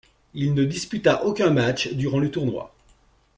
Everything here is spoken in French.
Il ne disputa aucun match durant le tournoi.